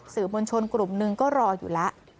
สื่อมวลชนกลุ่มหนึ่งก็รออยู่แล้ว